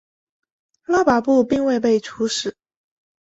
拉跋布并未被处死。